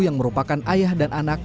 yang merupakan ayah dan anak